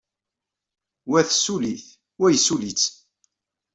Wa tessuli-t, wa yessuli-tt.